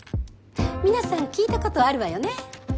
皆さん聞いたことあるわよね？